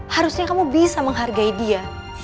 harusnya kamu bisa menghargai dia